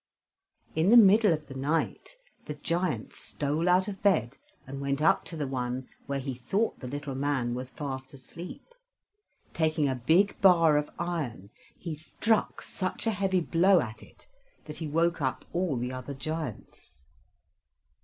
In the middle of the night the giant stole out of bed and went up to the one where he thought the little man was fast asleep. Taking a big bar of iron, he struck such a heavy blow at it that he woke up all the other giants.